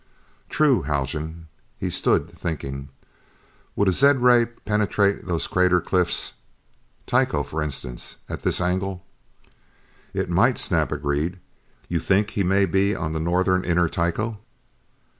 "True, Haljan." He stood thinking. "Would a zed ray penetrate those crater cliffs? Tycho, for instance, at this angle?" "It might," Snap agreed. "You think he may be on the northern inner Tycho?"